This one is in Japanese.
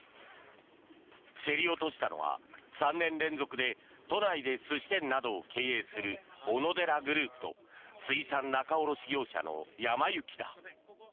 競り落としたのは、３年連続で都内で寿司店などを経営するオノデラグループと水産仲卸業者のやま幸だ。